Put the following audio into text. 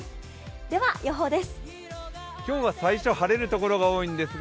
では予報です。